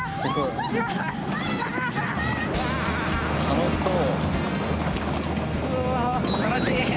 楽しそう。